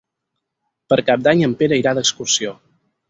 Per Cap d'Any en Pere irà d'excursió.